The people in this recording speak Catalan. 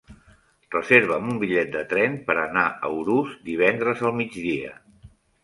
Reserva'm un bitllet de tren per anar a Urús divendres al migdia.